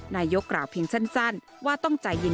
นายกกล่าวเพียงสั้นว่าต้องใจเย็น